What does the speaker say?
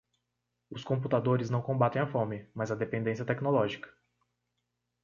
Os computadores não combatem a fome, mas a dependência tecnológica.